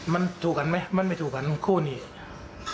มันถูกกันมั้ยมันไม่ถูกค่ะทั้งคู่หนึ่ง